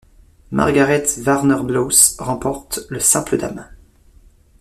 Margaret Varner Bloss remporte le simple dames.